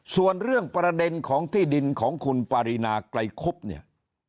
ส่วนเรื่องประเด็นของที่ดินของคุณปารีนาไกลคุบเนี่ย